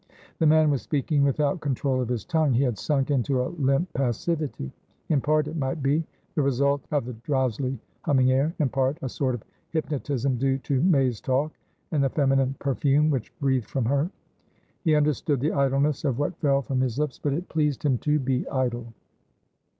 The man was speaking without control of his tongue. He had sunk into a limp passivity; in part, it might be, the result of the drowsily humming air; in part, a sort of hypnotism due to May's talk and the feminine perfume which breathed from her. He understood the idleness of what fell from his lips, but it pleased him to be idle.